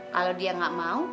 kalau dia gak mau